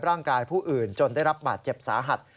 ร่างกายผู้อื่นจนได้รับบาดเจ็บสาหัส